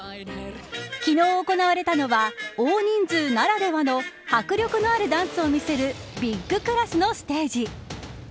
昨日行われたのは大人数ならではの迫力のあるダンスを見せるビッグクラスのステージ。